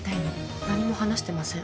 「何も話してません」